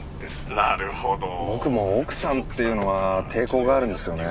なるほど僕も「奥さん」って言うのは抵抗があるんですよね